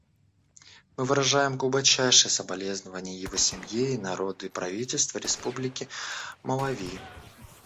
Мы выражаем глубочайшие соболезнования его семье и народу и правительству Республики Малави.